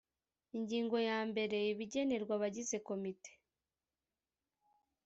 ingingo ya mbere ibigenerwa abagize komite